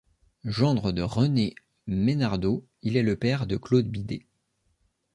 Gendre de René Mesnardeau, il est le père de Claude Bidé.